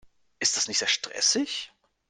Ist das nicht sehr stressig?